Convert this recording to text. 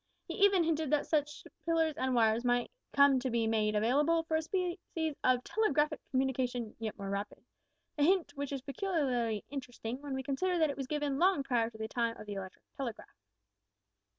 He even hinted that such pillars and wires might come to be `made available for a species of telegraphic communication yet more rapid' a hint which is peculiarly interesting when we consider that it was given long prior to the time of the electric telegraph.